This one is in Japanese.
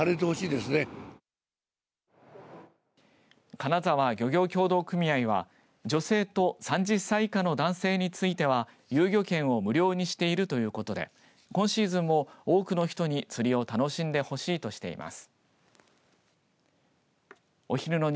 金沢漁業協同組合は女性と３０歳以下の男性については遊漁券を無料にしているということで今シーズンも多くの人に釣りを楽しんでほしいとしています。